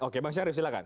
oke pak sarip silahkan